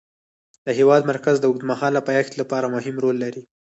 د هېواد مرکز د اوږدمهاله پایښت لپاره مهم رول لري.